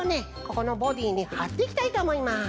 ここのボディーにはっていきたいとおもいます。